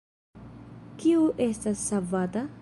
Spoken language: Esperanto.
Kiu estas savata?